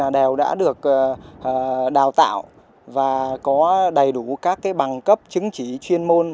đều đã được đào tạo và có đầy đủ các bằng cấp chứng chỉ chuyên môn